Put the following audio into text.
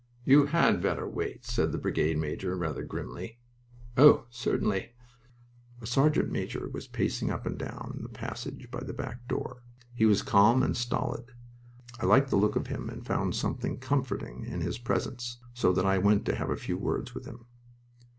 "You had better wait," said the brigade major, rather grimly. "Oh, certainly." A sergeant major was pacing up and down the passage by the back door. He was calm and stolid. I liked the look of him and found something comforting in his presence, so that I went to have a few words with him.